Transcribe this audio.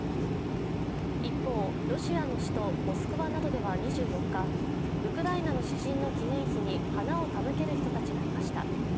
一方、ロシアの首都モスクワなどでは２４日、ウクライナの詩人の記念碑に花を手向ける人たちがいました。